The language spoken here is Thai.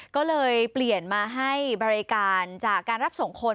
ก็เลยเปลี่ยนมาให้บริการจากการรับส่งคน